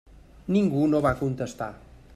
Ningú no va contestar.